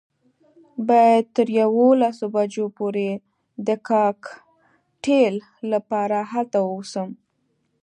باید تر یوولسو بجو پورې د کاکټیل لپاره هلته ووسم.